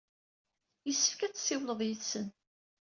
Yessefk ad tessiwled yid-sen.